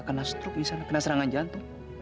kena stroke misalnya kena serangan jantung